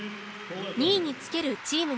２位につけるチーム